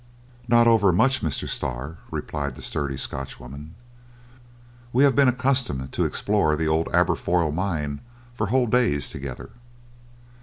"Not over much, Mr. Starr," replied the sturdy Scotchwoman; "we have been accustomed to explore the old Aberfoyle mine for whole days together."